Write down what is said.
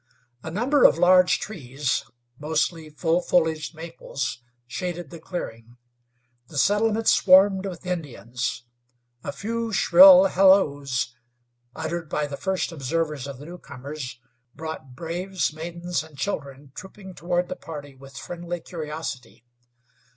A number of large trees, mostly full foliaged maples, shaded the clearing. The settlement swarmed with Indians. A few shrill halloes uttered by the first observers of the newcomers brought braves, maidens and children trooping toward the party with friendly curiosity.